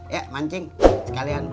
ya mancing sekalian